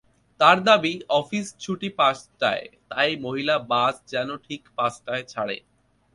তাঁর দাবি, অফিস ছুটি পাঁচটায়, তাই মহিলা বাস যেন ঠিক পাঁচটায় ছাড়ে।